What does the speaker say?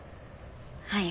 はい。